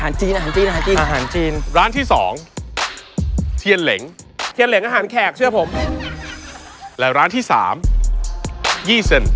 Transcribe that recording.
อันนี้อาหารจีนแน่เลย